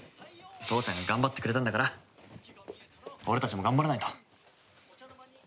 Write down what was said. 父ちゃんが頑張ってくれたんだから俺たちも頑張らないと。